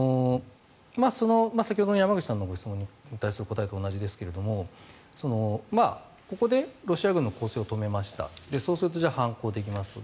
先ほどの山口さんのご質問に対する答えと同じですがここでロシア軍の攻勢を止めましたそうするとじゃあ反攻できますと。